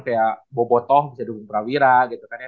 kayak bobo toh bisa dukung prawira gitu kan ya